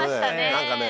何かね。